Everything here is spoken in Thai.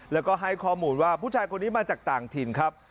แล้วก็ให้ข้อมูลว่าผู้ชายคนนี้มาจากต่างถิ่นครับ